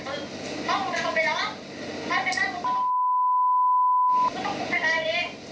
คุณก็จะปกติว่าเป็นคนอะไร